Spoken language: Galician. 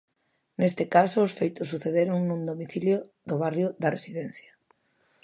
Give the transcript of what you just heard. Neste caso, os feitos sucederon nun domicilio do barrio da Residencia.